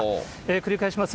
繰り返します。